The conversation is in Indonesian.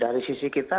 dari sisi kita